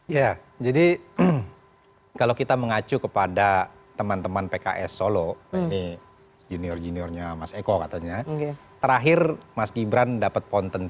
ya jadi kalau kita mengacu kepada teman teman pks solo ini junior juniornya mas eko katanya terakhir mas gibran dapat pontent